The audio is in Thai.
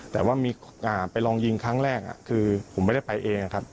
แต่ว่าไปลองยิงครั้งแรกคือผมไม่ได้ไปเองครับ